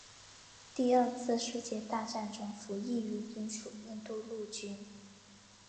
第二次世界大战中服役于英属印度陆军。